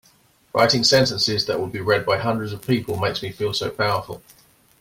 Writing sentences that will be read by hundreds of people makes me feel so powerful!